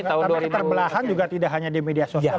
tapi keterbelahan juga tidak hanya di media sosial